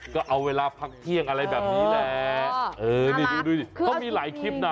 ก็เอาเวลาพักเที่ยงอะไรแบบนี้แหละเออนี่ดูดูดิเขามีหลายคลิปนะ